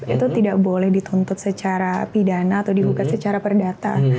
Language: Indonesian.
itu tidak boleh dituntut secara pidana atau digugat secara perdata